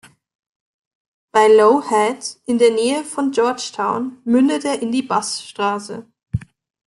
Bei "Low Head" in der Nähe von George Town mündet er in die Bass-Straße.